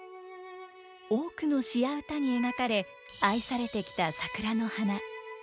多くの詩や歌に描かれ愛されてきた桜の花。